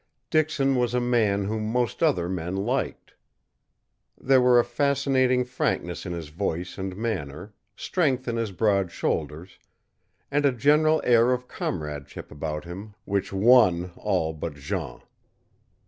Dixon was a man whom most other men liked. There were a fascinating frankness in his voice and manner, strength in his broad shoulders, and a general air of comradeship about him which won all but Jean.